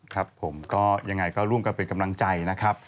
ครับผมก็ยังไงก็ร่วมกันเป็นกำลังใจนะครับ